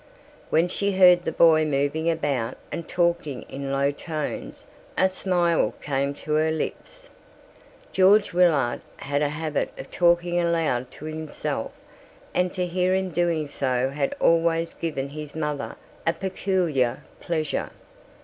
When she heard the boy moving about and talking in low tones a smile came to her lips. George Willard had a habit of talking aloud to himself and to hear him doing so had always given his mother a peculiar pleasure.